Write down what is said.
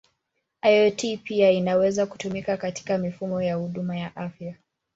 IoT pia inaweza kutumika katika mifumo ya huduma ya afya.